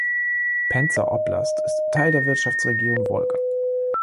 Penza Oblast ist Teil der Wirtschaftsregion Wolga.